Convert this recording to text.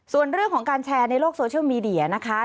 ส่วนเรื่องของการแชร์ในโลกโซเชียลมีเดียนะคะ